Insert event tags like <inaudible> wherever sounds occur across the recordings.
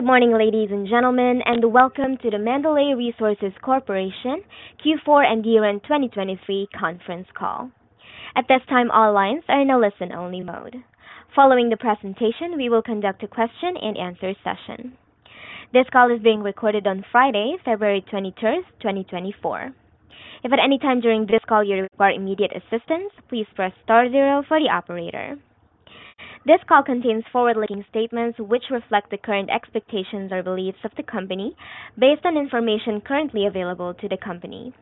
Good morning, ladies and gentlemen, and welcome to the Mandalay Resources Corporation Q4 and year-end 2023 conference call. At this time, all lines are in a listen-only mode. Following the presentation, we will conduct a question-and-answer session. This call is being recorded on Friday, February 23rd, 2024. If at any time during this call you require immediate assistance, please press star zero for the operator. This call contains forward-looking statements which reflect the current expectations or beliefs of the company based on information currently available to the company.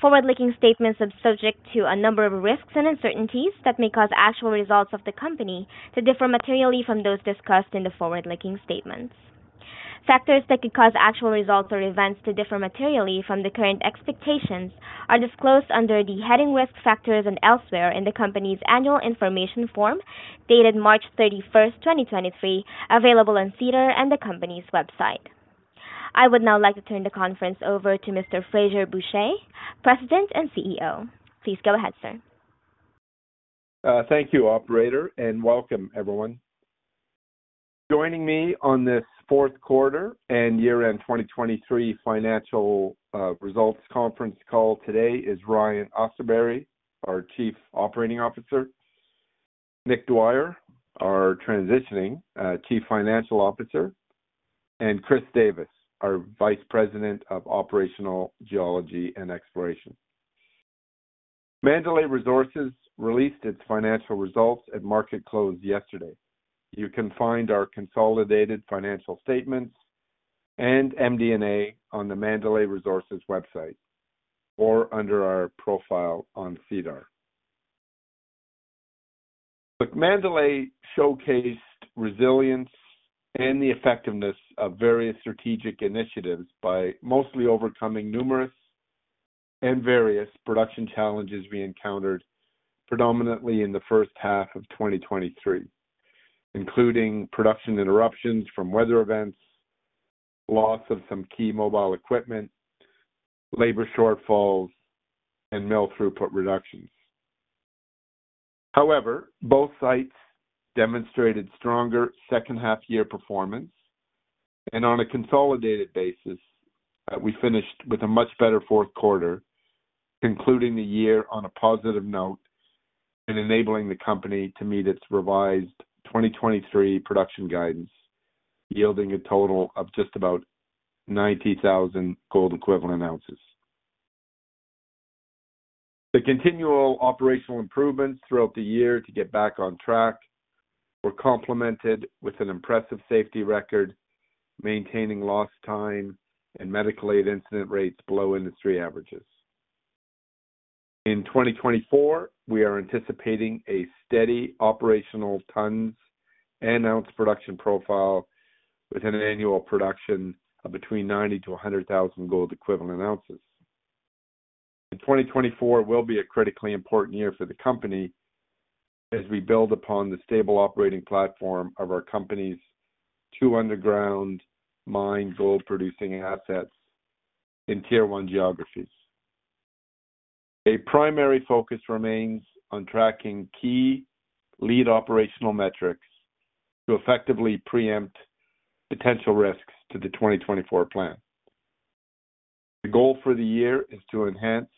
Forward-looking statements are subject to a number of risks and uncertainties that may cause actual results of the company to differ materially from those discussed in the forward-looking statements. Factors that could cause actual results or events to differ materially from the current expectations are disclosed under the heading Risk Factors and elsewhere in the company's annual information form, dated March 31st, 2023, available on SEDAR and the company's website. I would now like to turn the conference over to Mr. Frazer Bourchier, President and CEO. Please go ahead, sir. Thank you, operator, and welcome everyone. Joining me on this fourth quarter and year-end 2023 financial results conference call today is Ryan Austerberry, our Chief Operating Officer, Nick Dwyer, our transitioning Chief Financial Officer, and Chris Davis, our Vice President of Operational Geology and Exploration. Mandalay Resources released its financial results at market close yesterday. You can find our consolidated financial statements and MD&A on the Mandalay Resources website or under our profile on SEDAR. Mandalay showcased resilience and the effectiveness of various strategic initiatives by mostly overcoming numerous and various production challenges we encountered predominantly in the first half of 2023, including production interruptions from weather events, loss of some key mobile equipment, labor shortfalls, and mill throughput reductions. However, both sites demonstrated stronger second half year performance and on a consolidated basis, we finished with a much better fourth quarter, concluding the year on a positive note and enabling the company to meet its revised 2023 production guidance, yielding a total of just about 90,000 gold equivalent ounces. The continual operational improvements throughout the year to get back on track were complemented with an impressive safety record, maintaining lost time and medical aid incident rates below industry averages. In 2024, we are anticipating a steady operational tons and ounce production profile with an annual production of between 90,000-100,000 gold equivalent ounces. 2024 will be a critically important year for the company as we build upon the stable operating platform of our company's two underground mine gold producing assets in tier one geographies. A primary focus remains on tracking key lead operational metrics to effectively preempt potential risks to the 2024 plan. The goal for the year is to enhance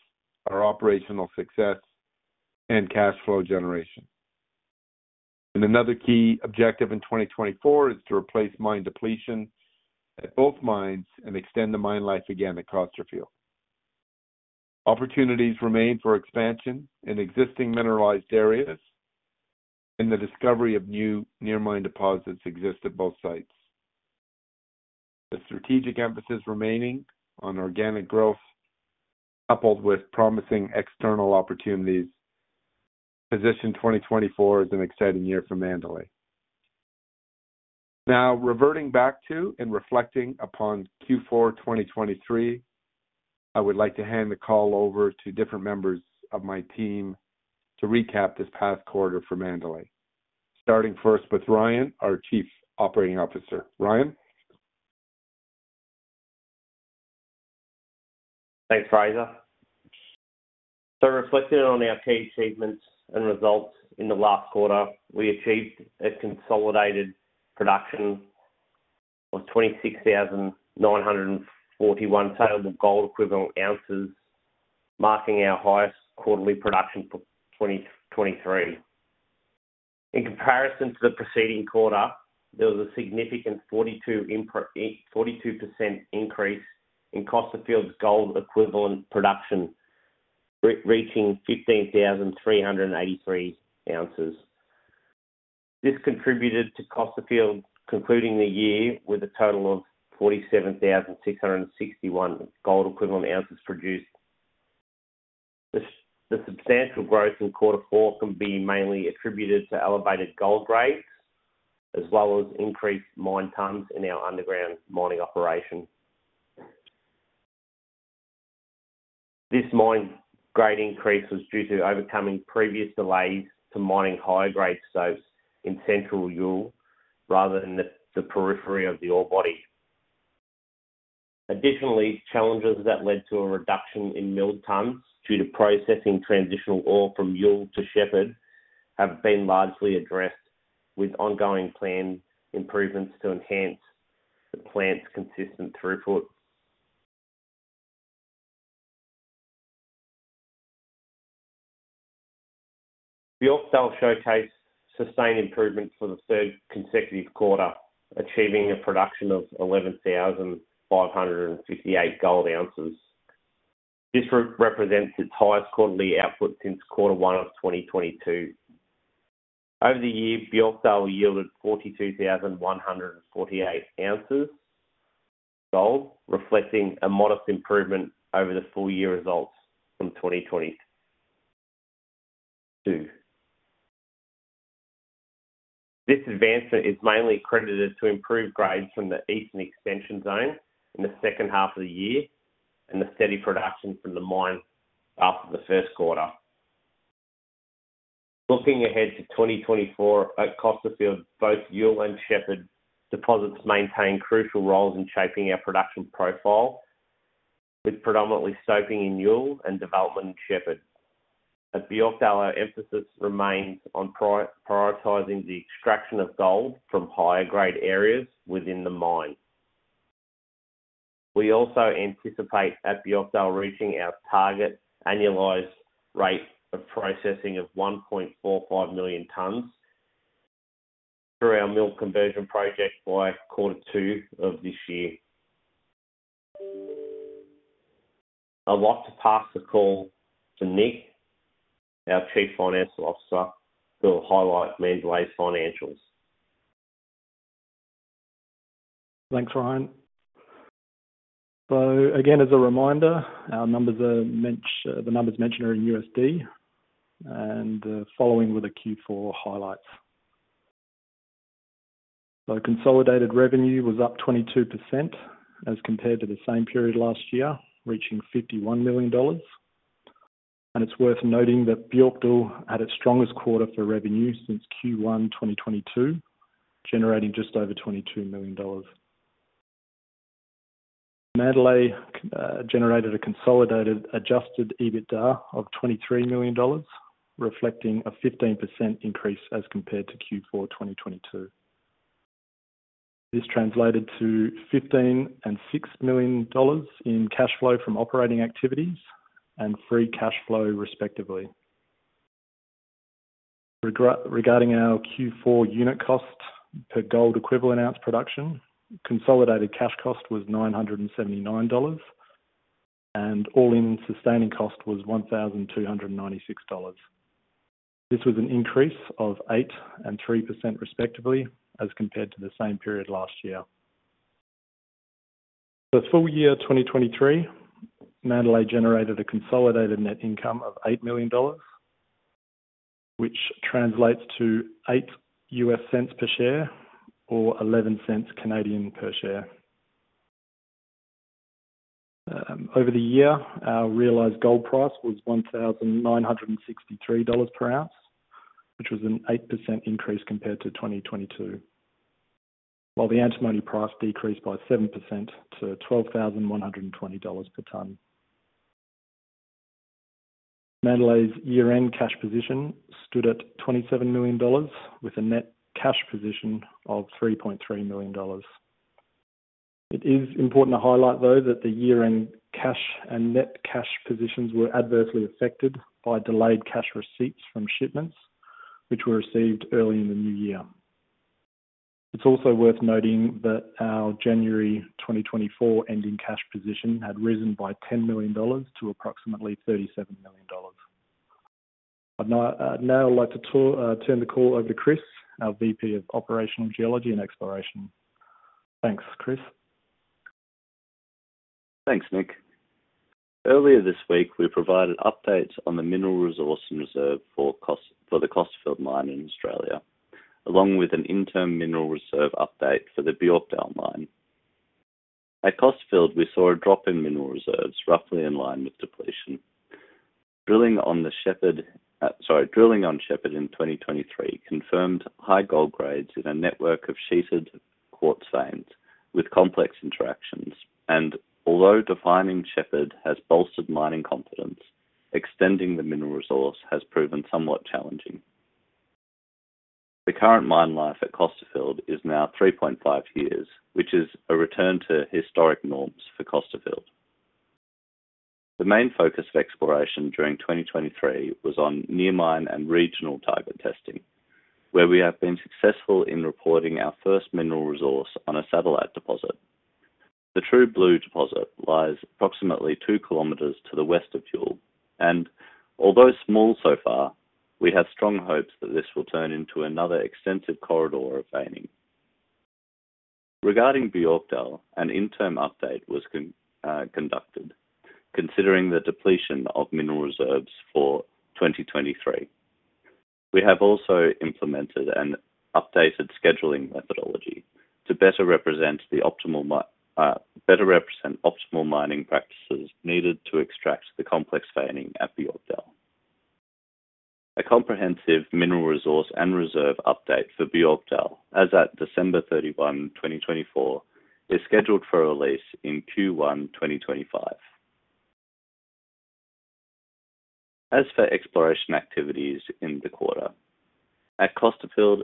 our operational success and cash flow generation. Another key objective in 2024 is to replace mine depletion at both mines and extend the mine life again at Costerfield. Opportunities remain for expansion in existing mineralized areas, and the discovery of new near mine deposits exist at both sites. The strategic emphasis remaining on organic growth, coupled with promising external opportunities, position 2024 as an exciting year for Mandalay. Now, reverting back to and reflecting upon Q4 2023, I would like to hand the call over to different members of my team to recap this past quarter for Mandalay. Starting first with Ryan, our Chief Operating Officer. Ryan? Thanks, Frazer. So reflecting on our key achievements and results in the last quarter, we achieved a consolidated production of 26,941 saleable gold equivalent ounces, marking our highest quarterly production for 2023. In comparison to the preceding quarter, there was a significant 42% increase in Costerfield's gold equivalent production, reaching 15,383 ounces. This contributed to Costerfield concluding the year with a total of 47,661 gold equivalent ounces produced. The substantial growth in quarter four can be mainly attributed to elevated gold grades, as well as increased mine tons in our underground mining operation. This mine grade increase was due to overcoming previous delays to mining higher grade stops in Central Youle rather than the periphery of the ore body.... Additionally, challenges that led to a reduction in milled tons due to processing transitional ore from Youle to Shepherd, have been largely addressed, with ongoing plan improvements to enhance the plant's consistent throughput. Björkdal showcased sustained improvements for the third consecutive quarter, achieving a production of 11,558 gold ounces. This represents its highest quarterly output since quarter one of 2022. Over the year, Björkdal yielded 42,148 oz gold, reflecting a modest improvement over the full year results from 2022. This advancement is mainly credited to improved grades from the Eastern Extension Zone in the second half of the year, and the steady production from the mine after the first quarter. Looking ahead to 2024, at Costerfield, both Youle and Shepherd deposits maintain crucial roles in shaping our production profile, with predominantly stoping in Youle and development in Shepherd. At Björkdal, our emphasis remains on prioritizing the extraction of gold from higher grade areas within the mine. We also anticipate, at Björkdal, reaching our target annualized rate of processing of 1.45 million tons through our mill conversion project by quarter two of this year. I'd like to pass the call to Nick, our Chief Financial Officer, who will highlight Mandalay's financials. Thanks, Ryan. So again, as a reminder, the numbers mentioned are in USD, and following with the Q4 highlights. So consolidated revenue was up 22% as compared to the same period last year, reaching $51 million. And it's worth noting that Björkdal had its strongest quarter for revenue since Q1 2022, generating just over $22 million. Mandalay generated a consolidated adjusted EBITDA of $23 million, reflecting a 15% increase as compared to Q4 2022. This translated to $15 million and $6 million in cash flow from operating activities and free cash flow, respectively. Regarding our Q4 unit cost per gold equivalent ounce production, consolidated cash cost was $979, and all-in sustaining cost was $1,296. This was an increase of 8% and 3%, respectively, as compared to the same period last year. For full year 2023, Mandalay generated a consolidated net income of $8 million, which translates to $0.08 per share or 0.11 per share. Over the year, our realized gold price was $1,963 per ounce, which was an 8% increase compared to 2022. While the antimony price decreased by 7% to $12,120 per ton. Mandalay's year-end cash position stood at $27 million, with a net cash position of $3.3 million. It is important to highlight, though, that the year-end cash and net cash positions were adversely affected by delayed cash receipts from shipments, which were received early in the new year. It's also worth noting that our January 2024 ending cash position had risen by $10 million to approximately $37 million. But now, I'd like to turn the call over to Chris, our VP of Operational Geology and Exploration. Thanks, Chris. Thanks, Nick. Earlier this week, we provided updates on the mineral resource and reserve for the Costerfield mine in Australia, along with an interim mineral reserve update for the Björkdal mine. At Costerfield, we saw a drop in mineral reserves, roughly in line with depletion. Drilling on the Shepherd in 2023 confirmed high gold grades in a network of sheeted quartz veins with complex interactions. And although defining Shepherd has bolstered mining confidence, extending the mineral resource has proven somewhat challenging. The current mine life at Costerfield is now three point five years, which is a return to historic norms for Costerfield. The main focus of exploration during 2023 was on near mine and regional target testing, where we have been successful in reporting our first mineral resource on a satellite deposit. The True Blue deposit lies approximately 2 km to the west of Youle, and although small so far, we have strong hopes that this will turn into another extensive corridor of veining. Regarding Björkdal, an interim update was conducted, considering the depletion of mineral reserves for 2023. We have also implemented an updated scheduling methodology to better represent optimal mining practices needed to extract the complex veining at Björkdal. A comprehensive mineral resource and reserve update for Björkdal, as at December 31, 2024, is scheduled for release in Q1 2025. As for exploration activities in the quarter, at Costerfield,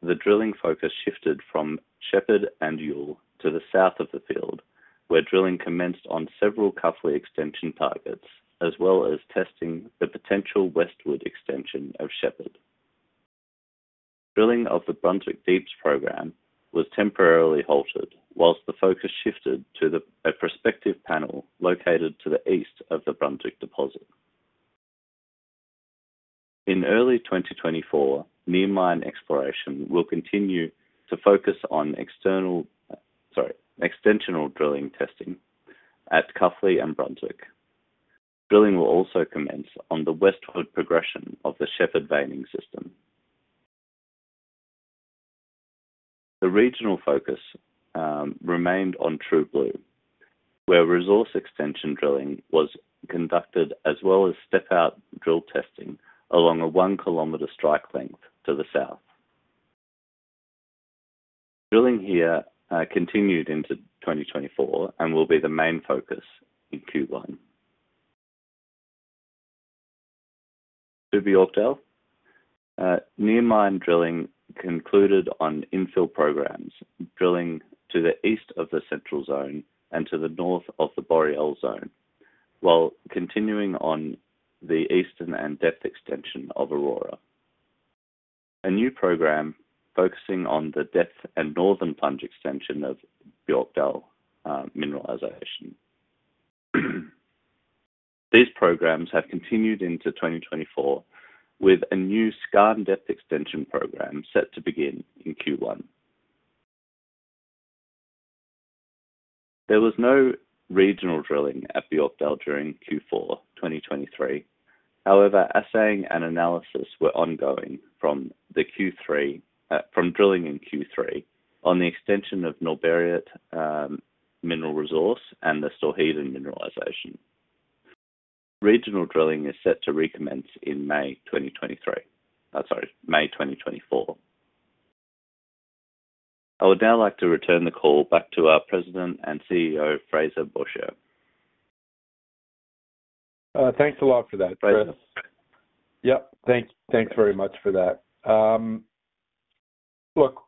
the drilling focus shifted from Shepherd and Youle to the south of the field, where drilling commenced on several extension targets, as well as testing the potential westward extension of Shepherd. Drilling of the Brunswick Deeps program was temporarily halted, while the focus shifted to a prospective panel located to the east of the Brunswick deposit. In early 2024, near mine exploration will continue to focus on external, sorry, extensional drilling testing at Cuffley and Brunswick. Drilling will also commence on the westward progression of the Shepherd veining system. The regional focus remained on True Blue, where resource extension drilling was conducted, as well as step-out drill testing along a 1 km strike length to the south. Drilling here continued into 2024 and will be the main focus in Q1. To Björkdal, near mine drilling concluded on infill programs, drilling to the east of the Central Zone and to the north of the Boreal Zone, while continuing on the eastern and depth extension of Aurora. A new program focusing on the depth and northern plunge extension of Björkdal, mineralization. These programs have continued into 2024, with a new skarn and depth extension program set to begin in Q1. There was no regional drilling at Björkdal during Q4 2023. However, assaying and analysis were ongoing from the Q3, from drilling in Q3, on the extension of Norrberget, mineral resource and the Storheden mineralization. Regional drilling is set to recommence in May 2023, sorry, May 2024. I would now like to return the call back to our President and CEO, Frazer Bourchier. Thanks a lot for that, Chris. Thank you. Yep, thanks very much for that. Look,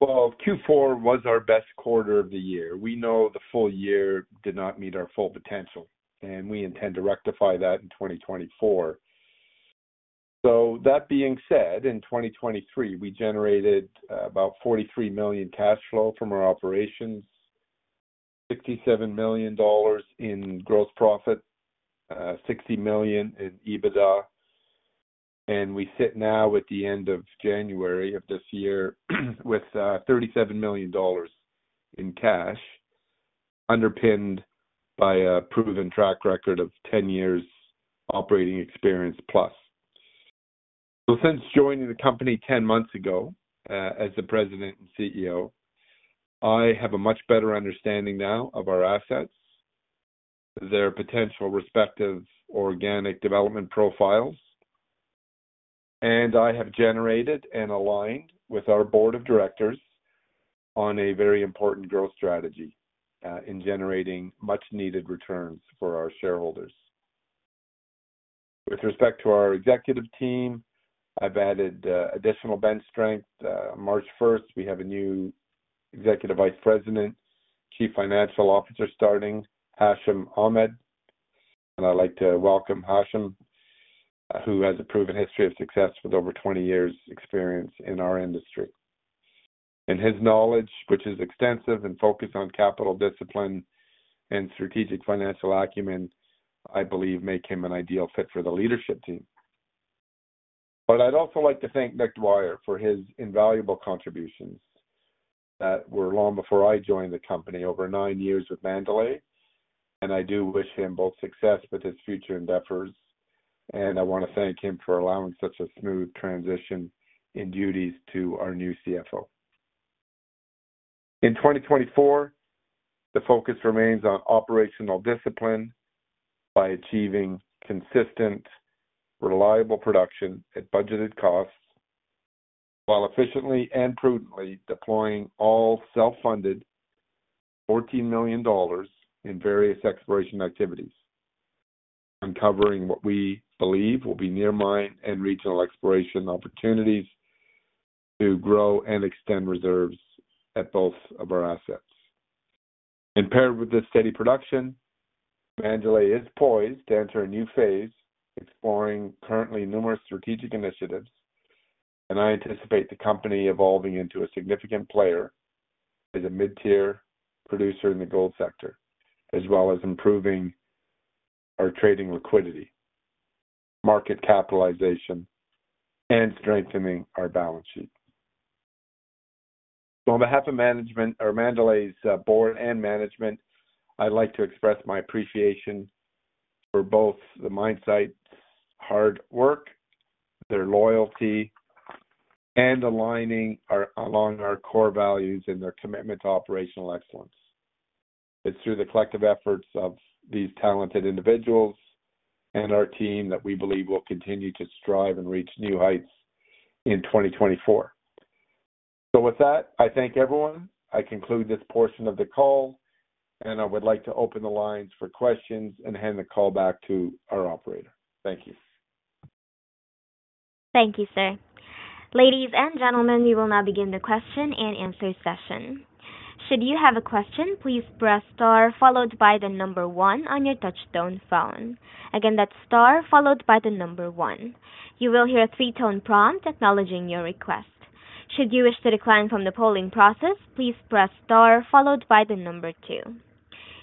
well, Q4 was our best quarter of the year. We know the full year did not meet our full potential, and we intend to rectify that in 2024. So that being said, in 2023, we generated about $43 million cash flow from our operations, $67 million in gross profit, $60 million in EBITDA, and we sit now at the end of January of this year, with $37 million in cash, underpinned by a proven track record of 10 years operating experience plus. Since joining the company 10 months ago, as the President and CEO, I have a much better understanding now of our assets, their potential respective organic development profiles, and I have generated and aligned with our board of directors on a very important growth strategy in generating much needed returns for our shareholders. With respect to our executive team, I've added additional bench strength. March 1st, we have a new Executive Vice President, Chief Financial Officer, starting Hashim Ahmed, and I'd like to welcome Hashim, who has a proven history of success with over 20 years experience in our industry. And his knowledge, which is extensive and focused on capital discipline and strategic financial acumen, I believe, make him an ideal fit for the leadership team. I'd also like to thank Nick Dwyer for his invaluable contributions that were long before I joined the company, over nine years with Mandalay, and I do wish him both success with his future endeavors. I want to thank him for allowing such a smooth transition in duties to our new CFO. In 2024, the focus remains on operational discipline by achieving consistent, reliable production at budgeted costs, while efficiently and prudently deploying all self-funded $14 million in various exploration activities, uncovering what we believe will be near mine and regional exploration opportunities to grow and extend reserves at both of our assets. Paired with this steady production, Mandalay is poised to enter a new phase, exploring currently numerous strategic initiatives, and I anticipate the company evolving into a significant player as a mid-tier producer in the gold sector, as well as improving our trading liquidity, market capitalization, and strengthening our balance sheet. So on behalf of management of Mandalay's board and management, I'd like to express my appreciation for both the mine site's hard work, their loyalty and aligning our, along our core values and their commitment to operational excellence. It's through the collective efforts of these talented individuals and our team that we believe will continue to strive and reach new heights in 2024. So with that, I thank everyone. I conclude this portion of the call, and I would like to open the lines for questions and hand the call back to our operator. Thank you. Thank you, sir. Ladies and gentlemen, we will now begin the question and answer session. Should you have a question, please press star followed by the number one on your touchtone phone. Again, that's star followed by the number one. You will hear a three-tone prompt acknowledging your request. Should you wish to decline from the polling process, please press star followed by the number two.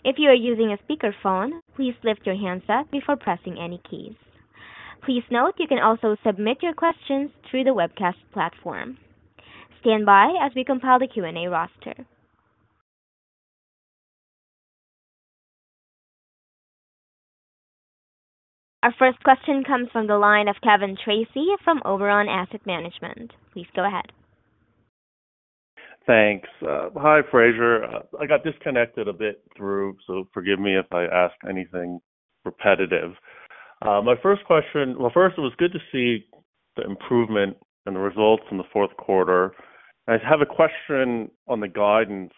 If you are using a speakerphone, please lift your handset before pressing any keys. Please note, you can also submit your questions through the webcast platform. Stand by as we compile the Q&A roster. Our first question comes from the line of Kevin Tracy from Oberon Asset Management. Please go ahead. Thanks. Hi, Frazer. I got disconnected a bit through, so forgive me if I ask anything repetitive. My first question—well, first, it was good to see the improvement and the results in the fourth quarter. I have a question on the guidance,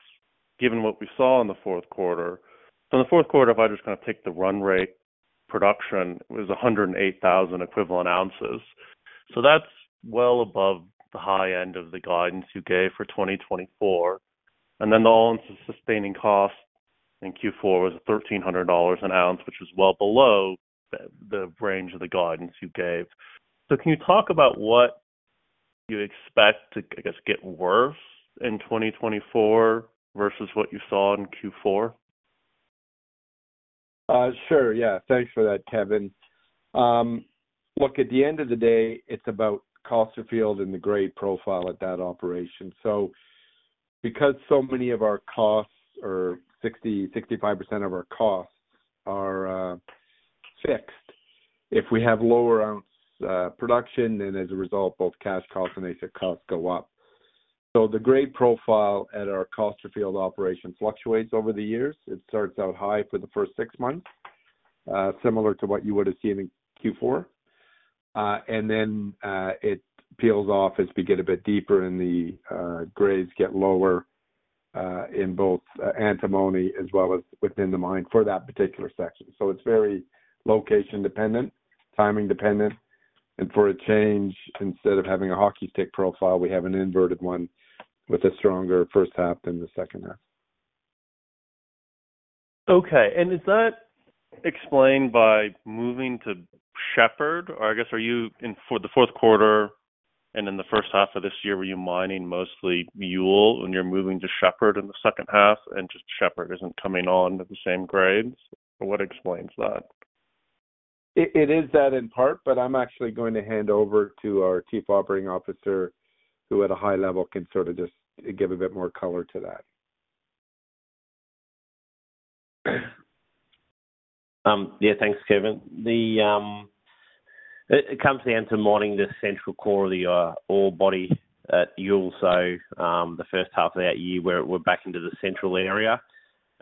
given what we saw in the fourth quarter. So in the fourth quarter, if I just kinda take the run rate, production was 108,000 equivalent ounces. So that's well above the high end of the guidance you gave for 2024. And then the all-in sustaining cost in Q4 was $1,300 an ounce, which was well below the range of the guidance you gave. So can you talk about what you expect to, I guess, get worse in 2024 versus what you saw in Q4? Sure. Yeah. Thanks for that, Kevin. Look, at the end of the day, it's about Costerfield and the grade profile at that operation. So because so many of our costs, or 60%-65% of our costs are fixed, if we have lower ounce production, then as a result, both cash costs and AISC go up. So the grade profile at our Costerfield operation fluctuates over the years. It starts out high for the first six months, similar to what you would have seen in Q4. And then it peels off as we get a bit deeper and the grades get lower in both antimony as well as within the mine for that particular section. It's very location dependent, timing dependent, and for a change, instead of having a hockey stick profile, we have an inverted one with a stronger first half than the second half. Okay, and is that explained by moving to Shepherd, or I guess, are you in for the fourth quarter and in the first half of this year, were you mining mostly Youle, and you're moving to Shepherd in the second half, and just Shepherd isn't coming on with the same grades? What explains that? It is that in part, but I'm actually going to hand over to our Chief Operating Officer, who at a high level, can sort of just give a bit more color to that. Yeah, thanks, Kevin. It comes down to mining the central core of the ore body at Youle. So, the first half of that year, we're back into the central area,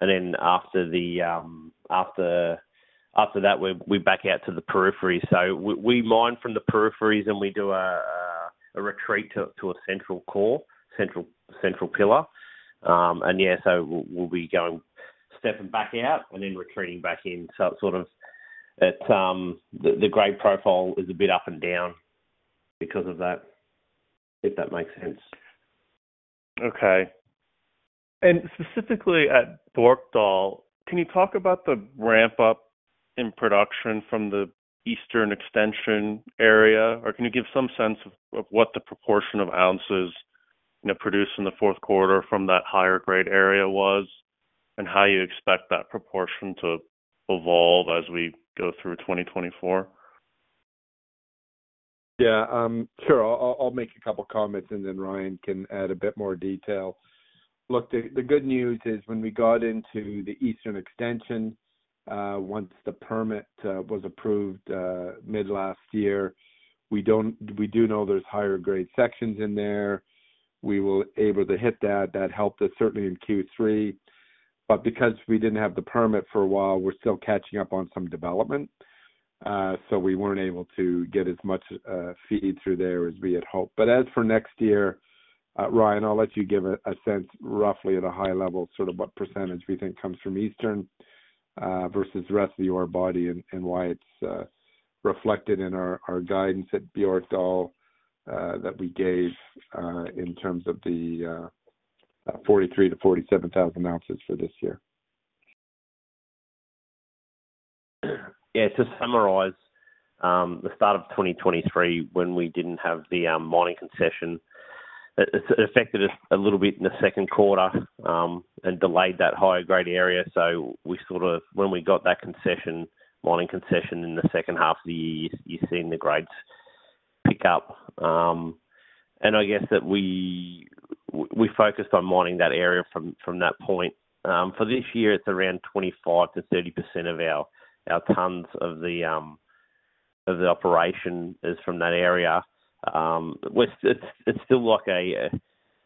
and then after that, we're back out to the periphery. So we mine from the peripheries, and we do a retreat to a central core, central pillar. And yeah, so we'll be going stepping back out and then retreating back in. So it sort of, it's the grade profile is a bit up and down because of that, if that makes sense. Okay. And specifically at Björkdal, can you talk about the ramp up in production from the eastern extension area? Or can you give some sense of, of what the proportion of ounces, you know, produced in the fourth quarter from that higher grade area was, and how you expect that proportion to evolve as we go through 2024? Yeah, sure. I'll make a couple of comments, and then Ryan can add a bit more detail. Look, the good news is when we got into the eastern extension, once the permit was approved mid-last year, we do know there's higher grade sections in there. We were able to hit that. That helped us certainly in Q3, but because we didn't have the permit for a while, we're still catching up on some development. So we weren't able to get as much feed through there as we had hoped. But as for next year, Ryan, I'll let you give a sense, roughly at a high level, sort of what percentage we think comes from Eastern versus the rest of the ore body and why it's reflected in our guidance at Björkdal, that we gave, in terms of the 43,000-47,000 oz for this year. Yeah, to summarize, the start of 2023, when we didn't have the mining concession, it affected us a little bit in the second quarter, and delayed that higher grade area. So we sort of, when we got that concession, mining concession in the second half of the year, you've seen the grades pick up. And I guess that we focused on mining that area from that point. For this year, it's around 25%-30% of our tons of the operation is from that area. We're. It's still like a,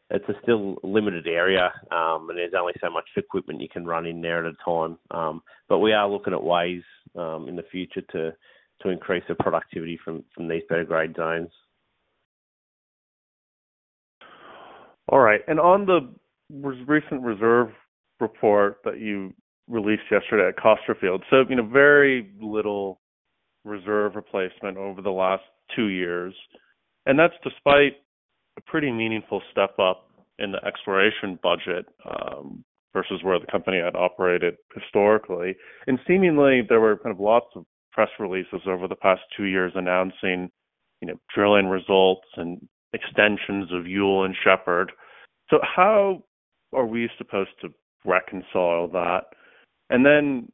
it's a still limited area, and there's only so much equipment you can run in there at a time. But we are looking at ways in the future to increase the productivity from these better grade zones. All right, and on the recent reserve report that you released yesterday at Costerfield, so, you know, very little reserve replacement over the last two years, and that's despite a pretty meaningful step up in the exploration budget versus where the company had operated historically. And seemingly, there were kind of lots of press releases over the past two years announcing, you know, drilling results and extensions of Youle and Shepherd. So how are we supposed to reconcile that? And then,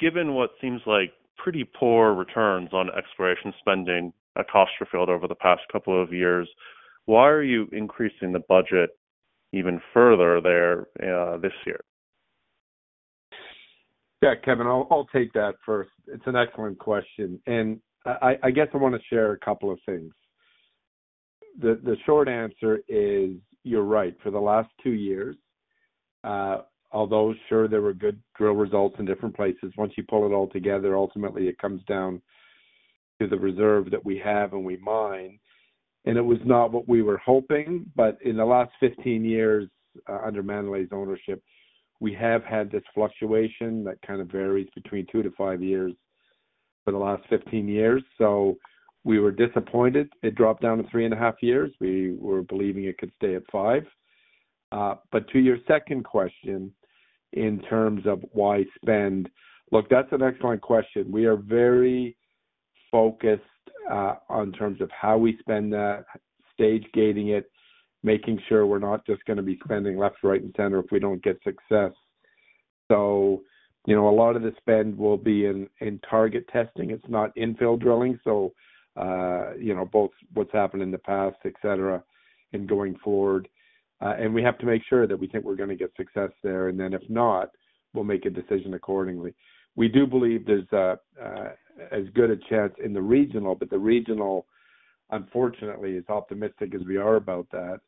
given what seems like pretty poor returns on exploration spending at Costerfield over the past couple of years, why are you increasing the budget even further there this year? Yeah, Kevin, I'll, I'll take that first. It's an excellent question, and I, I, I guess I wanna share a couple of things. The, the short answer is, you're right. For the last two years, although sure, there were good drill results in different places, once you pull it all together, ultimately it comes down to the reserve that we have and we mine, and it was not what we were hoping. But in the last 15 years, under Mandalay's ownership, we have had this fluctuation that kind of varies between two to five years for the last 15 years. So we were disappointed it dropped down to three and a half years. We were believing it could stay at five. But to your second question, in terms of why spend? Look, that's an excellent question. We are very focused on terms of how we spend that, stage-gating it, making sure we're not just gonna be spending left, right, and center if we don't get success. So, you know, a lot of the spend will be in target testing. It's not infill drilling, so, you know, both what's happened in the past, etc., and going forward, and we have to make sure that we think we're gonna get success there, and then if not, we'll make a decision accordingly. We do believe there's a, as good a chance in the regional, but the regional, unfortunately, as optimistic as we are about that,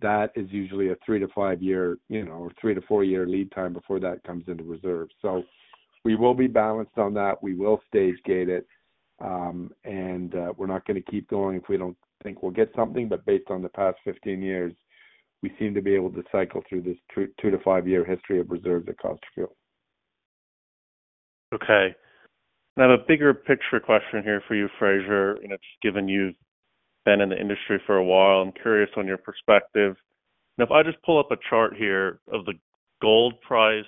that is usually a three-to-five-year, you know, three-to-four-year lead time before that comes into reserve. So we will be balanced on that. We will stage-gate it, and we're not gonna keep going if we don't think we'll get something. But based on the past 15 years, we seem to be able to cycle through this two to five year history of reserves at Costerfield. Okay, I have a bigger picture question here for you, Fraser, and it's given you've been in the industry for a while. I'm curious on your perspective. Now, if I just pull up a chart here of the gold price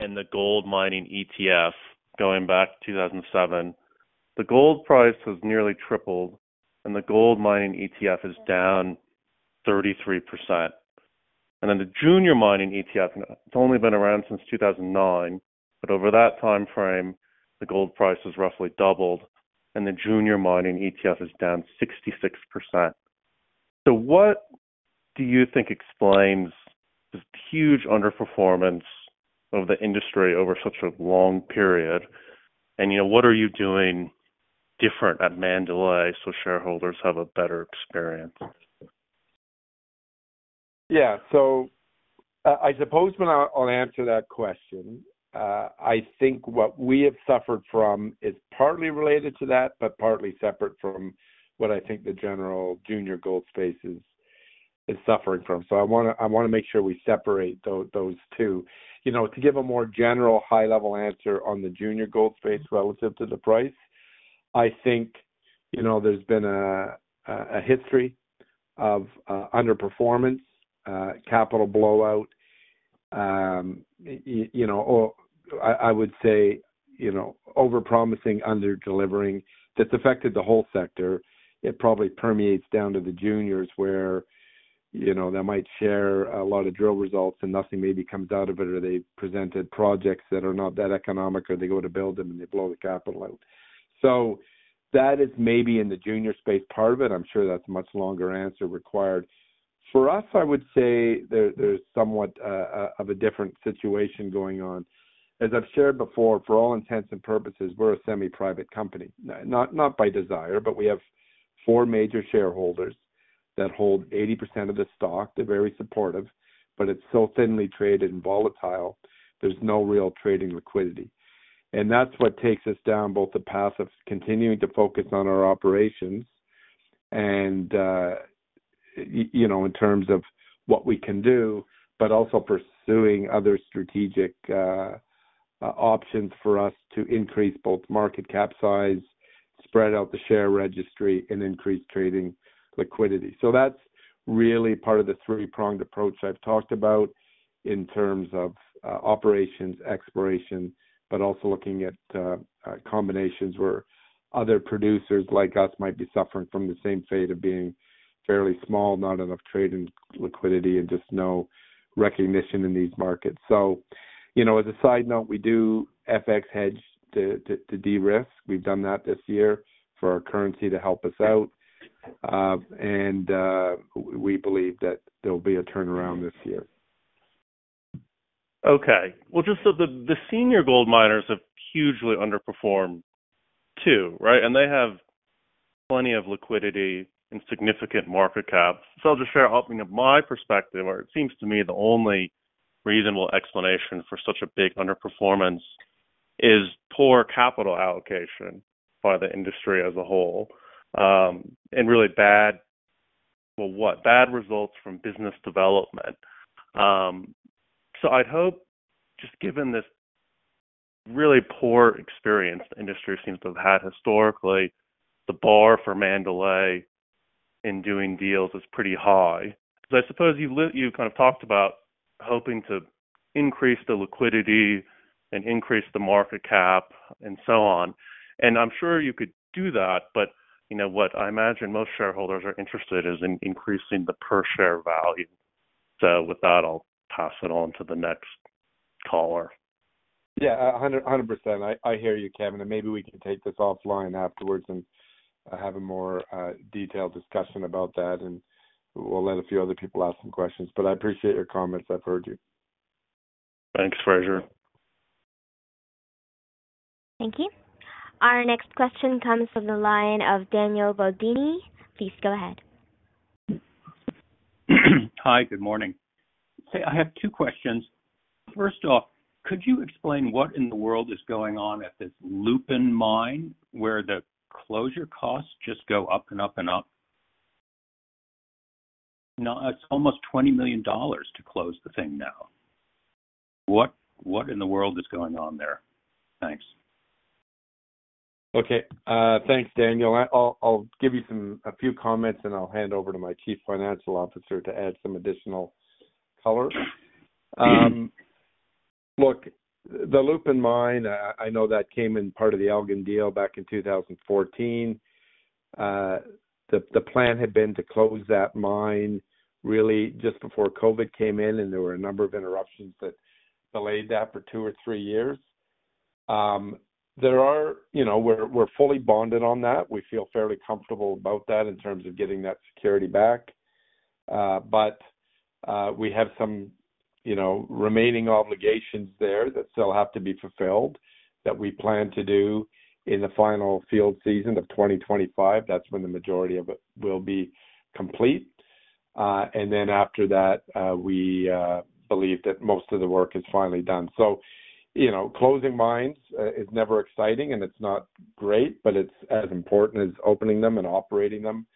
and the gold mining ETF going back to 2007, the gold price has nearly tripled, and the gold mining ETF is down 33%. And then the junior mining ETF, it's only been around since 2009, but over that timeframe, the gold price has roughly doubled, and the junior mining ETF is down 66%. So what do you think explains this huge underperformance of the industry over such a long period? And, you know, what are you doing different at Mandalay so shareholders have a better experience? Yeah. So, I'll answer that question. I think what we have suffered from is partly related to that, but partly separate from what I think the general junior gold space is suffering from. So I wanna make sure we separate those two. You know, to give a more general high-level answer on the junior gold space relative to the price, I think, you know, there's been a history of underperformance, capital blowout, you know, or I would say, you know, over-promising, under-delivering. That's affected the whole sector. It probably permeates down to the juniors, where, you know, they might share a lot of drill results, and nothing maybe comes out of it, or they presented projects that are not that economic, or they go to build them, and they blow the capital out. So that is maybe in the junior space, part of it. I'm sure that's a much longer answer required. For us, I would say there, there's somewhat of a different situation going on. As I've shared before, for all intents and purposes, we're a semi-private company. Not by desire, but we have four major shareholders that hold 80% of the stock. They're very supportive, but it's so thinly traded and volatile, there's no real trading liquidity. And that's what takes us down both the path of continuing to focus on our operations and, you know, in terms of what we can do, but also pursuing other strategic options for us to increase both market cap size, spread out the share registry, and increase trading liquidity. So that's really part of the three-pronged approach I've talked about in terms of, operations, exploration, but also looking at, combinations where other producers like us might be suffering from the same fate of being fairly small, not enough trade and liquidity, and just no recognition in these markets. So, you know, as a side note, we do FX hedge to de-risk. We've done that this year for our currency to help us out, and we believe that there'll be a turnaround this year.... Okay. Well, just so the senior gold miners have hugely underperformed too, right? And they have plenty of liquidity and significant market caps. So I'll just share opening up my perspective, or it seems to me the only reasonable explanation for such a big underperformance is poor capital allocation by the industry as a whole, and really bad, well, bad results from business development. So I'd hope, just given this really poor experience the industry seems to have had historically, the bar for Mandalay in doing deals is pretty high. Because I suppose you kind of talked about hoping to increase the liquidity and increase the market cap and so on, and I'm sure you could do that, but you know what? I imagine most shareholders are interested is in increasing the per share value. With that, I'll pass it on to the next caller. Yeah, 100, 100%. I hear you, Kevin, and maybe we can take this offline afterwards and have a more detailed discussion about that, and we'll let a few other people ask some questions. But I appreciate your comments. I've heard you. Thanks, Fraser. Thank you. Our next question comes from the line of Daniele Bodini. Please go ahead. Hi, good morning. Say, I have two questions. First off, could you explain what in the world is going on at this Lupin mine, where the closure costs just go up and up and up? Now, it's almost $20 million to close the thing now. What, what in the world is going on there? Thanks. Okay, thanks, Daniel. I'll give you some, a few comments, and I'll hand over to my Chief Financial Officer to add some additional color. Look, the Lupin mine, I know that came in part of the Elgin deal back in 2014. The plan had been to close that mine really just before COVID came in, and there were a number of interruptions that delayed that for two or three years. There are... You know, we're fully bonded on that. We feel fairly comfortable about that in terms of getting that security back. But we have some, you know, remaining obligations there that still have to be fulfilled, that we plan to do in the final field season of 2025. That's when the majority of it will be complete. And then after that, we believe that most of the work is finally done. So, you know, closing mines is never exciting, and it's not great, but it's as important as opening them and operating them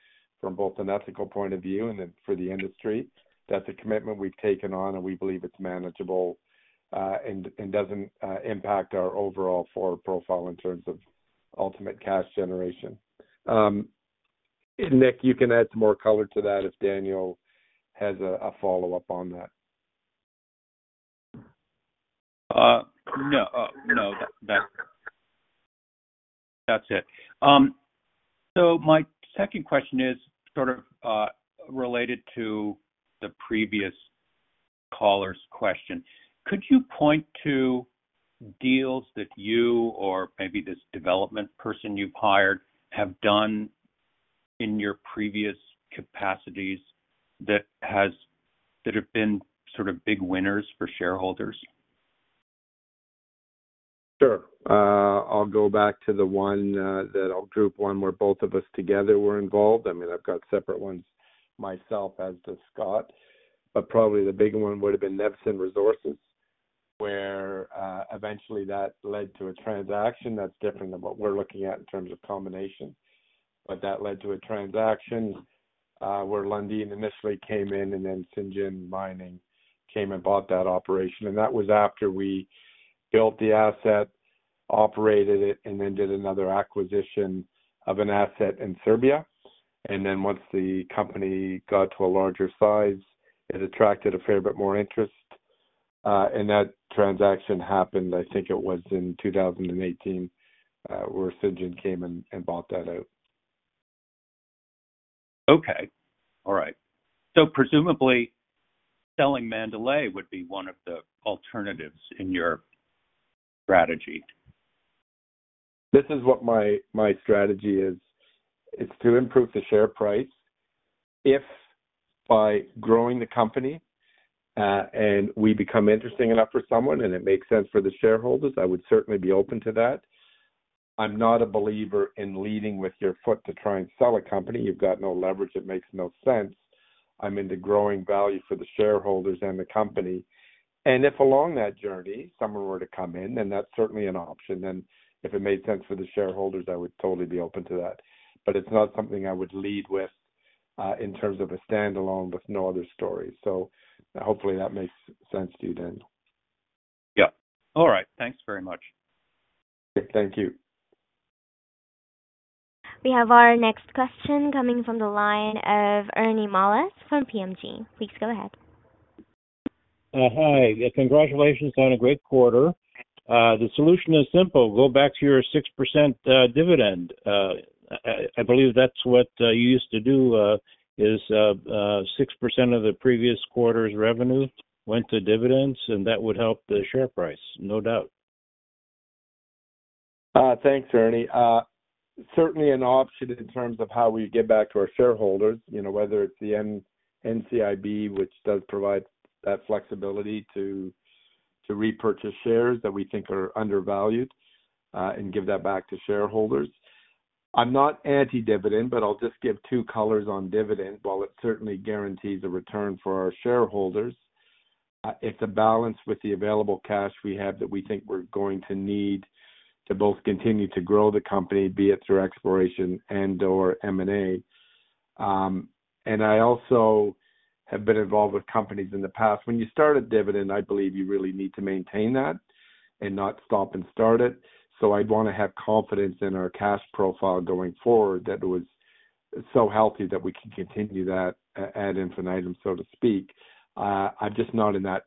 from both an ethical point of view and then for the industry. That's a commitment we've taken on, and we believe it's manageable, and doesn't impact our overall forward profile in terms of ultimate cash generation. Nick, you can add some more color to that if Daniele has a follow-up on that. No. No, that's it. So my second question is sort of related to the previous caller's question. Could you point to deals that you or maybe this development person you've hired have done in your previous capacities that have been sort of big winners for shareholders? Sure. I'll go back to the one that I'll group one, where both of us together were involved. I mean, I've got separate ones myself, as does Scott, but probably the bigger one would have been Nevsun Resources, where eventually that led to a transaction that's different than what we're looking at in terms of combination. But that led to a transaction, where Lundin initially came in, and then Zijin Mining came and bought that operation. And that was after we built the asset, operated it, and then did another acquisition of an asset in Serbia. And then once the company got to a larger size, it attracted a fair bit more interest, and that transaction happened, I think it was in 2018, where Zijin came and bought that out. Okay. All right. Presumably, selling Mandalay would be one of the alternatives in your strategy. This is what my, my strategy is. It's to improve the share price. If by growing the company, and we become interesting enough for someone, and it makes sense for the shareholders, I would certainly be open to that. I'm not a believer in leading with your foot to try and sell a company. You've got no leverage. It makes no sense. I'm into growing value for the shareholders and the company, and if along that journey, someone were to come in, then that's certainly an option, and if it made sense for the shareholders, I would totally be open to that. But it's not something I would lead with, in terms of a standalone with no other story. So hopefully that makes sense to you then. Yeah. All right. Thanks very much. Thank you. We have our next question coming from the line of Ernie Mast from PMG. Please go ahead. Hi. Congratulations on a great quarter. The solution is simple: go back to your 6% dividend. I believe that's what you used to do, 6% of the previous quarter's revenue went to dividends, and that would help the share price, no doubt. ...Thanks, Ernie. Certainly an option in terms of how we give back to our shareholders, you know, whether it's the NCIB, which does provide that flexibility to repurchase shares that we think are undervalued, and give that back to shareholders. I'm not anti-dividend, but I'll just give two colors on dividend. While it certainly guarantees a return for our shareholders, it's a balance with the available cash we have that we think we're going to need to both continue to grow the company, be it through exploration and/or M&A. And I also have been involved with companies in the past. When you start a dividend, I believe you really need to maintain that and not stop and start it. So I'd want to have confidence in our cash profile going forward, that it was so healthy that we can continue that ad infinitum, so to speak. I'm just not in that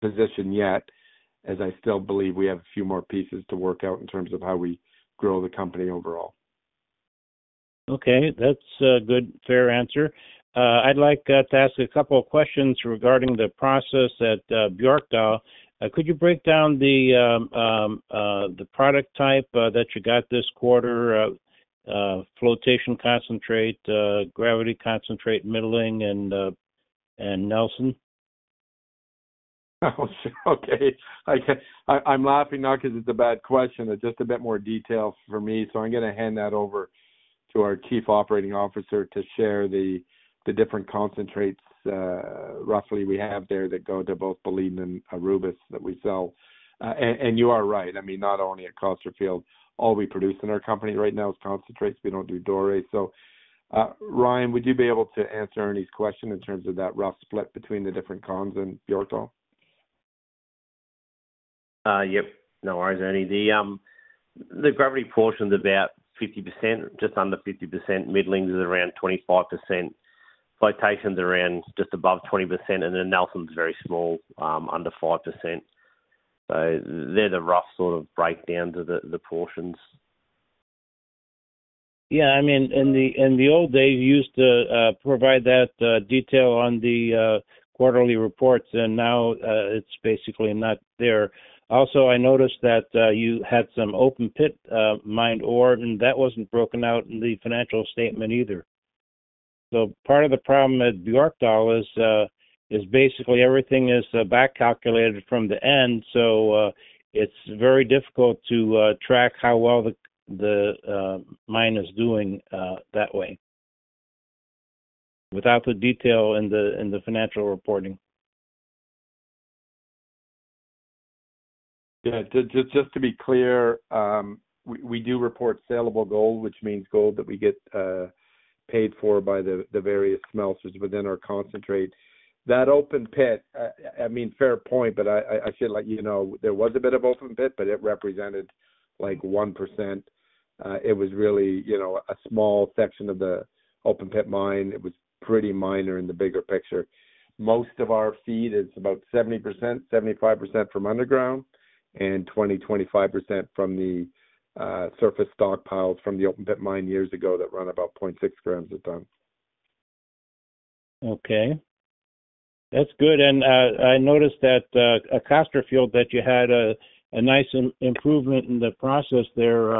position yet, as I still believe we have a few more pieces to work out in terms of how we grow the company overall. Okay, that's a good, fair answer. I'd like to ask a couple of questions regarding the process at Björkdal. Could you break down the product type that you got this quarter, flotation concentrate, gravity concentrate, middling, and Knelson? Okay, I'm laughing, not because it's a bad question, but just a bit more detail for me. So I'm gonna hand that over to our Chief Operating Officer to share the different concentrates roughly we have there that go to both Boliden and Aurubis that we sell. And you are right. I mean, not only at Costerfield, all we produce in our company right now is concentrates. We don't do doré. So, Ryan, would you be able to answer Ernie's question in terms of that rough split between the different cons in Björkdal? Yep. No worries, Ernie. The, the gravity portion is about 50%, just under 50%. Middlings is around 25%. Flotation's around just above 20%, and then Knelson's very small, under 5%. So they're the rough sort of breakdown to the, the portions. Yeah, I mean, in the old days, you used to provide that detail on the quarterly reports, and now it's basically not there. Also, I noticed that you had some open pit mined ore, and that wasn't broken out in the financial statement either. So part of the problem at Björkdal is basically everything is back calculated from the end. So it's very difficult to track how well the mine is doing that way, without the detail in the financial reporting. Yeah. Just, just to be clear, we, we do report salable gold, which means gold that we get paid for by the, the various smelters within our concentrate. That open pit, I mean, fair point, but I, I, I should let you know, there was a bit of open pit, but it represented, like, 1%. It was really, you know, a small section of the open pit mine. It was pretty minor in the bigger picture. Most of our feed is about 70%-75% from underground and 20%-25% from the surface stockpiles from the open pit mine years ago that run about 0.6 g a ton. Okay. That's good. And I noticed that at Costerfield, that you had a nice improvement in the process there.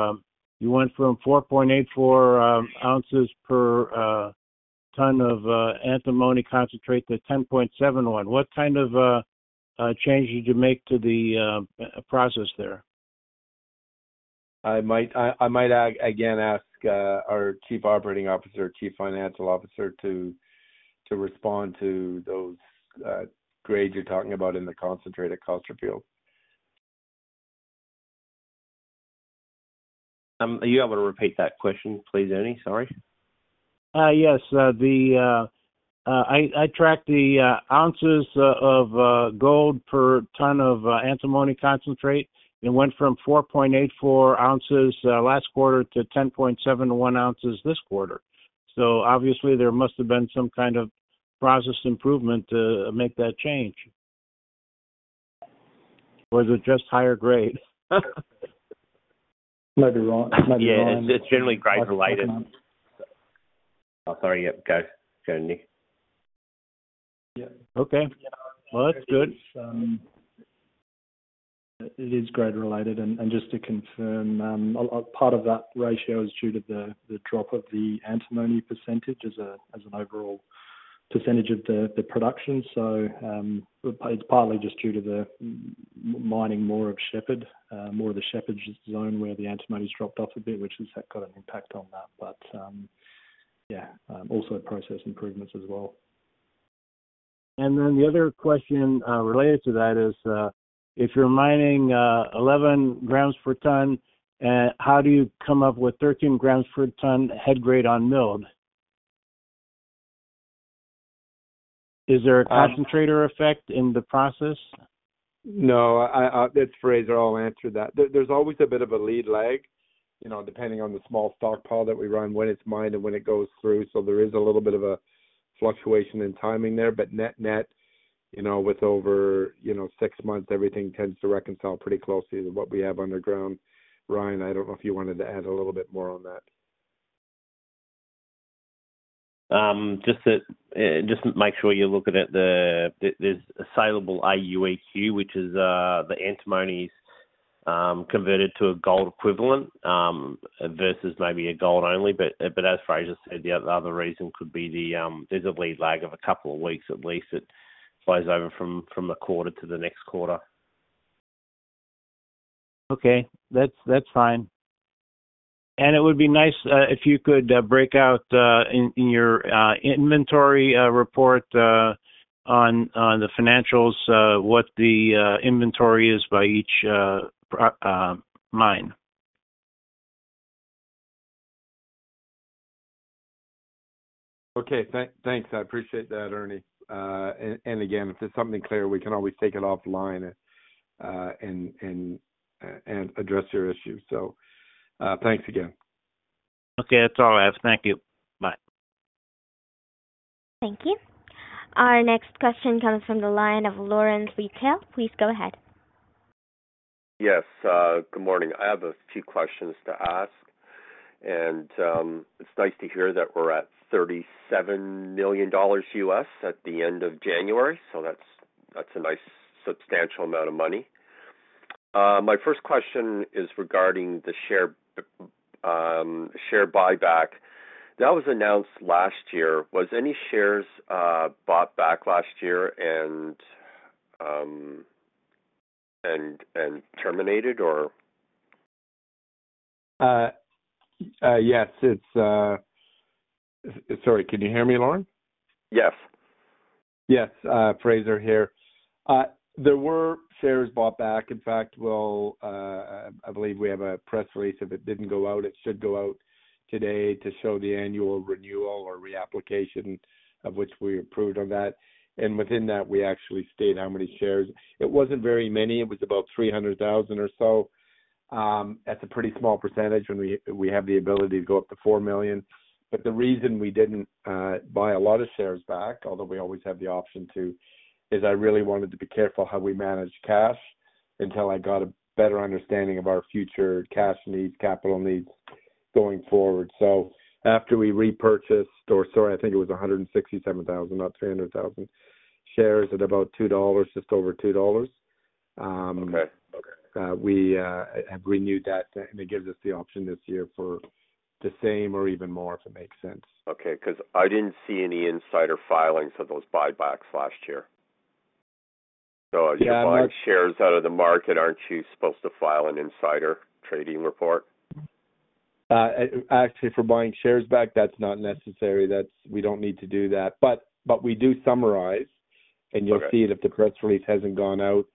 You went from 4.84 oz per ton of antimony concentrate to 10.71. What kind of change did you make to the process there? I might again ask our Chief Operating Officer, Chief Financial Officer to respond to those grades you're talking about in the concentrated Costerfield. Are you able to repeat that question, please, Ernie? Sorry. Yes. I tracked the ounces of gold per ton of antimony concentrate. It went from 4.84 oz last quarter to 10.71 oz this quarter. So obviously there must have been some kind of process improvement to make that change. Or was it just higher grade? <crosstalk> It is grade-related. And just to confirm, a part of that ratio is due to the drop of the antimony percentage as an overall percentage of the production. So, it's partly just due to the mining more of Shepherd, more of the Shepherd Zone, where the antimony's dropped off a bit, which has had quite an impact on that. But, yeah, also process improvements as well. And then the other question, related to that is, if you're mining, 11 g per ton, how do you come up with 13 g per ton head grade on milled? Is there a concentrator effect in the process? No, I... That's Frazer. I'll answer that. There's always a bit of a lead lag, you know, depending on the small stockpile that we run, when it's mined and when it goes through. So there is a little bit of a fluctuation in timing there. But net-net, you know, with over, you know, six months, everything tends to reconcile pretty closely to what we have underground. Ryan, I don't know if you wanted to add a little bit more on that.... Just that, just make sure you're looking at the, the, there's a saleable AuEq, which is, the antimony, converted to a gold equivalent, versus maybe a gold only. But, as Frazer said, the other reason could be the, there's a bleed lag of a couple of weeks at least. It flows over from, the quarter to the next quarter. Okay, that's fine. And it would be nice if you could break out in your inventory report on the financials what the inventory is by each mine. Okay, thanks. I appreciate that, Ernie. And again, if there's something clear, we can always take it offline and address your issues. So, thanks again. Okay, it's all right. Thank you. Bye. Thank you. Our next question comes from the line of Lawrence Roulston. Please go ahead. Yes, good morning. I have a few questions to ask, and, it's nice to hear that we're at $37 million at the end of January, so that's, that's a nice substantial amount of money. My first question is regarding the share buyback. That was announced last year. Was any shares bought back last year and, and, and terminated or? Yes, it's... Sorry, can you hear me, Lawrence? Yes. Yes, Frazer here. There were shares bought back. In fact, we'll, I believe we have a press release. If it didn't go out, it should go out today to show the annual renewal or reapplication, of which we approved on that. And within that, we actually state how many shares. It wasn't very many; it was about 300,000 or so. That's a pretty small percentage when we, we have the ability to go up to 4 million. But the reason we didn't, buy a lot of shares back, although we always have the option to, is I really wanted to be careful how we managed cash until I got a better understanding of our future cash needs, capital needs going forward. So after we repurchased, or sorry, I think it was 167,000, not 300,000, shares at about $2, just over $2. Okay. Okay. We have renewed that, and it gives us the option this year for the same or even more, if it makes sense. Okay, 'cause I didn't see any insider filings of those buybacks last year. Yeah, mark- So if you buy shares out of the market, aren't you supposed to file an insider trading report? Actually, for buying shares back, that's not necessary. That's, we don't need to do that. But we do summarize, and you'll- Okay... see it, if the press release hasn't gone out,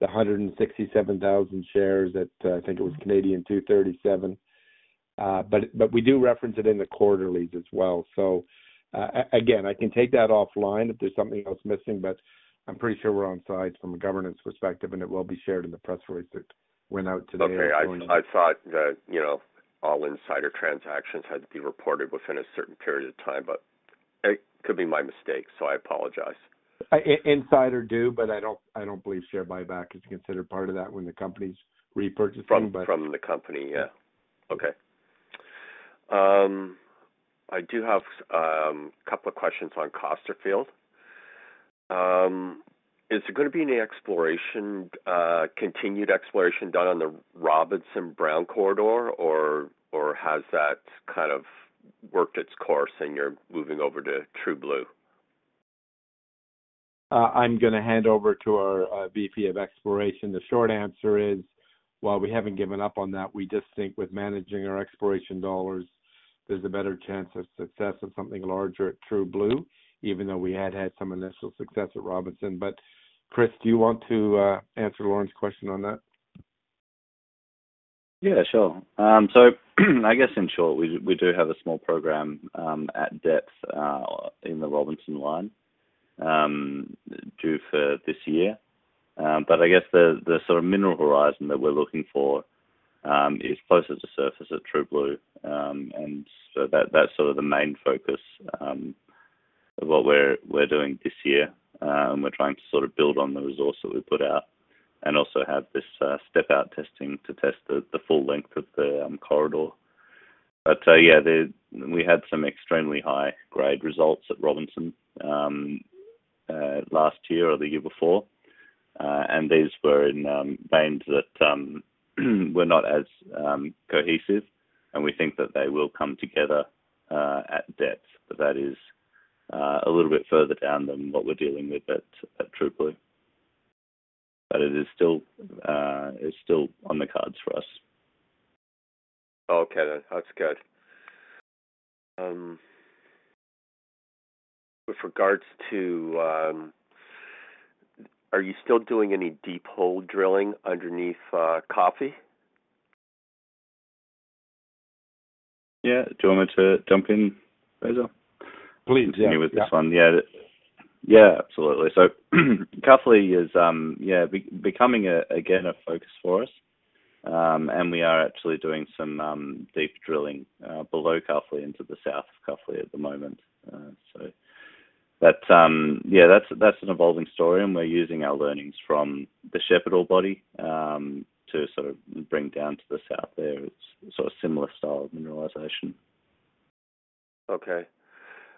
the 167,000 shares at, I think it was 2.37. But, but we do reference it in the quarterlies as well. So, again, I can take that offline if there's something else missing, but I'm pretty sure we're on side from a governance perspective, and it will be shared in the press release that went out today. Okay. I thought that, you know, all insider transactions had to be reported within a certain period of time, but it could be my mistake, so I apologize. I, insider, do, but I don't believe share buyback is considered part of that when the company's repurchasing, but- From the company. Yeah. Okay. I do have a couple of questions on Costerfield. Is there gonna be any exploration, continued exploration done on the Robinson-Brown Corridor, or has that kind of worked its course, and you're moving over to True Blue? I'm gonna hand over to our VP of exploration. The short answer is, while we haven't given up on that, we just think with managing our exploration dollars, there's a better chance of success of something larger at True Blue, even though we had had some initial success at Robinson. But Chris, do you want to answer Lawrence's question on that? Yeah, sure. So, I guess, in short, we do have a small program at depth in the Robinson line due for this year. But I guess the sort of mineral horizon that we're looking for is closer to the surface at True Blue. And so that's sort of the main focus of what we're doing this year. We're trying to sort of build on the resource that we put out and also have this step-out testing to test the full length of the corridor. But yeah, we had some extremely high-grade results at Robinson last year or the year before. And these were in veins that were not as cohesive, and we think that they will come together at depth. But that is a little bit further down than what we're dealing with at True Blue. But it is still, it's still on the cards for us. Okay, that, that's good. With regards to, are you still doing any deep hole drilling underneath Cuffley? Yeah. Do you want me to jump in, Frazer? Please, yeah. Continue with this one. Yeah. Yeah, absolutely. So, Cuffley is, yeah, becoming, again, a focus for us. And we are actually doing some deep drilling below Cuffley to the south of Cuffley at the moment. But, yeah, that's an evolving story, and we're using our learnings from the Shepherd ore body to sort of bring down to the south there. It's sort of similar style of mineralization. Okay.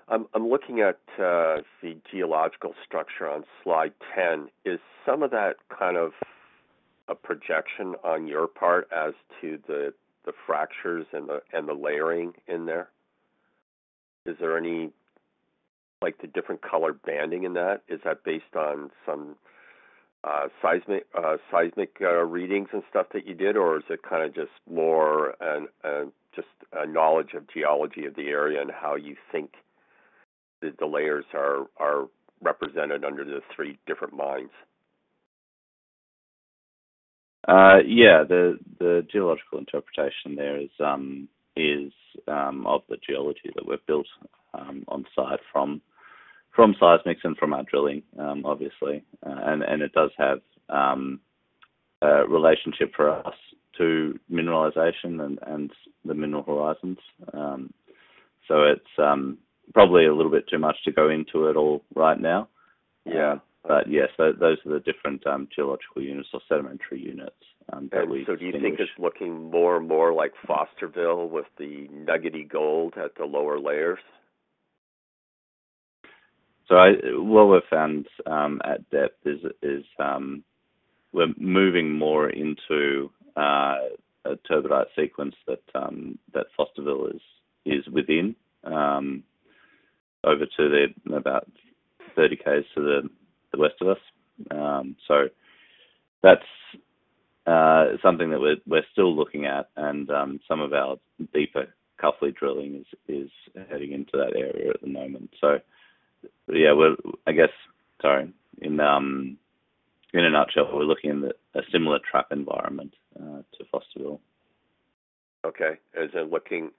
I'm looking at the geological structure on slide 10. Is some of that kind of a projection on your part as to the fractures and the layering in there? Is there any, like, the different color banding in that, is that based on some seismic readings and stuff that you did? Or is it kinda just more and just a knowledge of geology of the area and how you think the layers are represented under the three different mines? Yeah, the geological interpretation there is of the geology that we've built on site from seismic and from our drilling, obviously. And it does have a relationship for us to mineralization and the mineral horizons. So it's probably a little bit too much to go into it all right now. Yeah. But yes, so those are the different geological units or sedimentary units that we think- Do you think it's looking more and more like, with the nuggety gold at the lower layers? So, what we've found at depth is we're moving more into a turbidite sequence that Fosterville is within, over to about 30 Ks to the west of us. So that's something that we're still looking at, and some of our deeper Cuffley drilling is heading into that area at the moment. So yeah, we're... I guess, sorry. In a nutshell, we're looking at a similar trap environment to Fosterville. Okay. Is it looking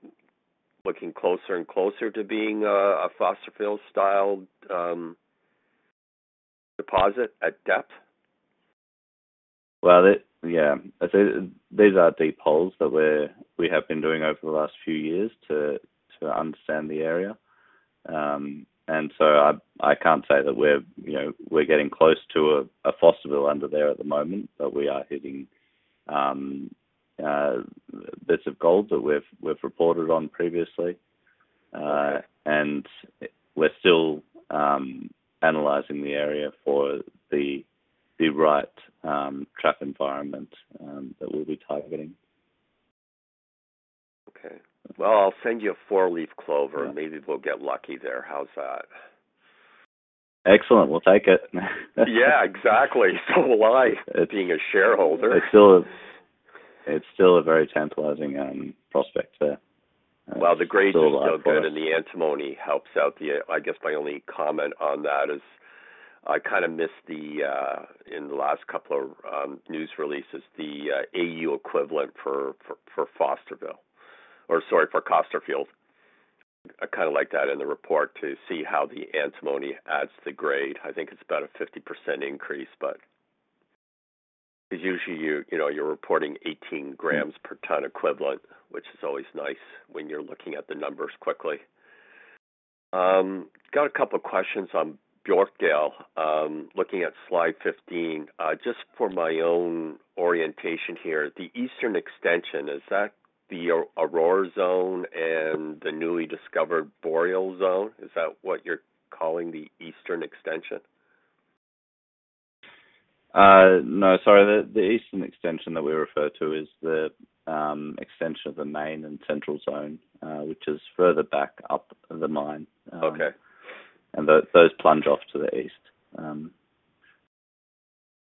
closer and closer to being a Fosterville style deposit at depth? Well, yeah. These are deep holes that we have been doing over the last few years to understand the area. And so I can't say that we're, you know, getting close to a Fosterville under there at the moment, but we are hitting bits of gold that we've reported on previously. And we're still analyzing the area for the right trap environment that we'll be targeting. Okay. Well, I'll send you a four-leaf clover, and maybe we'll get lucky there. How's that? Excellent. We'll take it. Yeah, exactly. So will I, being a shareholder. It's still a very tantalizing prospect there. Well, the grades are good, and the antimony helps out the... I guess my only comment on that is I kinda missed the in the last couple of news releases, the Au equivalent for Fosterville or, sorry, for Costerfield. I kinda like that in the report to see how the antimony adds to the grade. I think it's about a 50% increase, but usually you, you know, you're reporting 18 g per ton equivalent, which is always nice when you're looking at the numbers quickly. Got a couple questions on Björkdal. Looking at slide 15. Just for my own orientation here, the eastern extension, is that the Aurora Zone and the newly discovered Boreal Zone? Is that what you're calling the eastern extension? No, sorry. The Eastern Extension that we refer to is the extension of the Main and Central Zone, which is further back up the mine. Okay. Those plunge off to the east.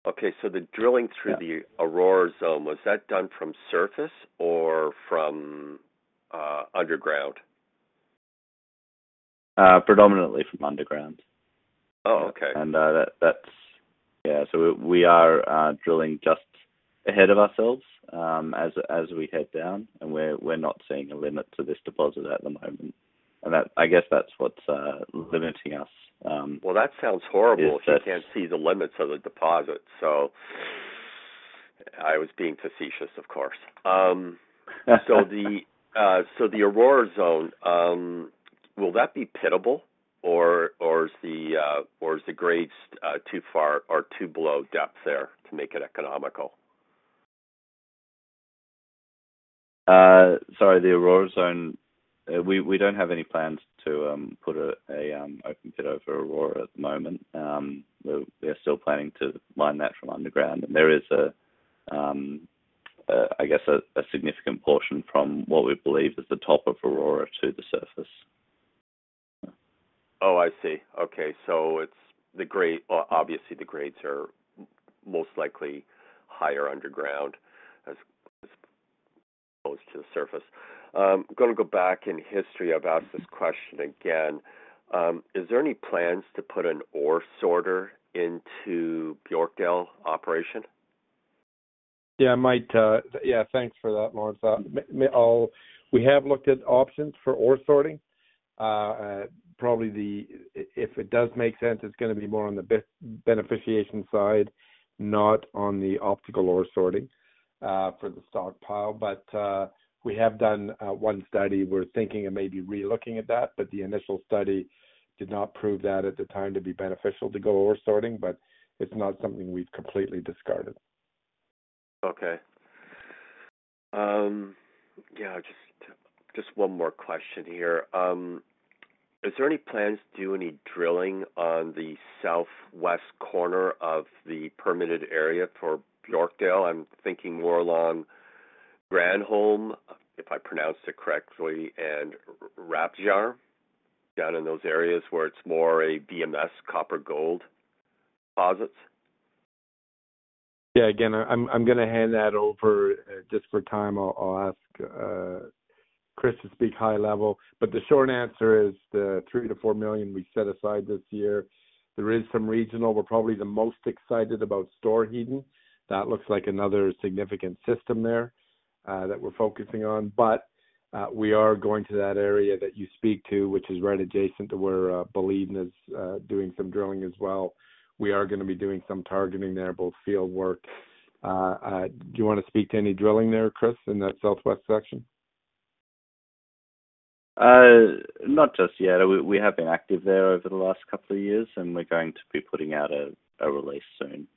Okay, so the drilling through- Yeah... the Aurora Zone, was that done from surface or from underground? Predominantly from underground. Oh, okay. And that, that's, yeah, so we are drilling just ahead of ourselves, as we head down, and we're not seeing a limit to this deposit at the moment. And that, I guess that's what's limiting us. Well, that sounds horrible. Yes, that's- You can't see the limits of the deposit, so... I was being facetious, of course. So the Aurora Zone, will that be pittable or, or is the grades, too far or too below depth there to make it economical? Sorry, the Aurora Zone, we don't have any plans to put an open pit over Aurora at the moment. We're still planning to mine that from underground, and there is, I guess, a significant portion from what we believe is the top of Aurora to the surface. Oh, I see. Okay. So it's the grade... obviously, the grades are most likely higher underground as opposed to the surface. I'm gonna go back in history. I've asked this question again. Is there any plans to put an ore sorter into Björkdal operation? Yeah, Mike, yeah, thanks for that, Lawrence. We have looked at options for ore sorting. Probably the, if it does make sense, it's gonna be more on the beneficiation side, not on the optical ore sorting, for the stockpile. But, we have done one study. We're thinking of maybe relooking at that, but the initial study did not prove that at the time to be beneficial to go ore sorting, but it's not something we've completely discarded.... Okay. Yeah, just, just one more question here. Is there any plans to do any drilling on the southwest corner of the permitted area for Björkdal? I'm thinking more along Granholm, if I pronounced it correctly, and Råpgar, down in those areas where it's more a VMS copper-gold deposits. Yeah, again, I'm gonna hand that over just for time. I'll ask Chris to speak high level, but the short answer is the $3 million-$4 million we set aside this year. There is some regional. We're probably the most excited about Storheden. That looks like another significant system there that we're focusing on. But we are going to that area that you speak to, which is right adjacent to where Boliden is doing some drilling as well. We are gonna be doing some targeting there, both field work. Do you wanna speak to any drilling there, Chris, in that southwest section? Not just yet. We have been active there over the last couple of years, and we're going to be putting out a release soon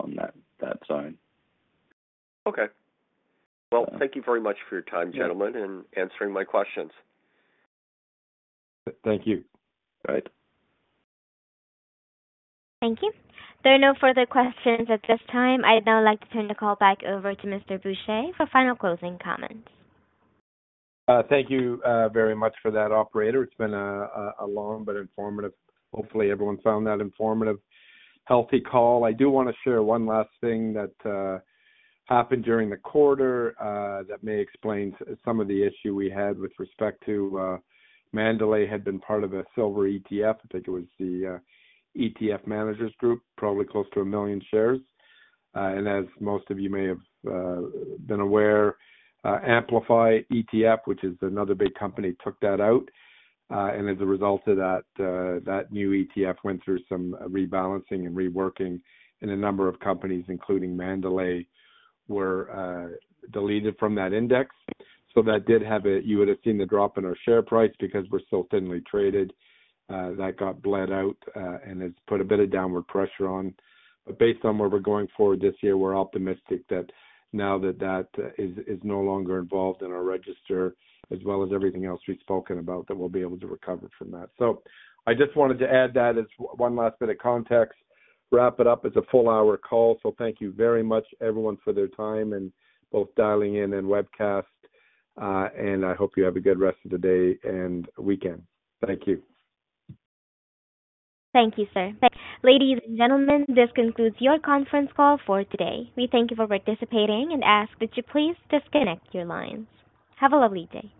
on that zone. Okay. Well, thank you very much for your time, gentlemen, and answering my questions. Thank you. Bye. Thank you. There are no further questions at this time. I'd now like to turn the call back over to Mr. Bourchier for final closing comments. Thank you very much for that, operator. It's been a long but informative... Hopefully, everyone found that informative, healthy call. I do wanna share one last thing that happened during the quarter that may explain some of the issue we had with respect to Mandalay had been part of a silver ETF. I think it was the ETF Managers Group, probably close to 1 million shares. And as most of you may have been aware, Amplify ETFs, which is another big company, took that out. And as a result of that, that new ETF went through some rebalancing and reworking in a number of companies, including Mandalay, were deleted from that index. So that did have a... You would have seen the drop in our share price because we're so thinly traded. That got bled out, and it's put a bit of downward pressure on. But based on where we're going forward this year, we're optimistic that now that that is no longer involved in our register, as well as everything else we've spoken about, that we'll be able to recover from that. So I just wanted to add that as one last bit of context. Wrap it up. It's a full hour call, so thank you very much everyone for their time and both dialing in and webcast, and I hope you have a good rest of the day and weekend. Thank you. Thank you, sir. Ladies and gentlemen, this concludes your conference call for today. We thank you for participating and ask that you please disconnect your lines. Have a lovely day.